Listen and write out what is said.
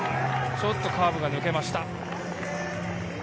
ちょっとカーブが抜けました。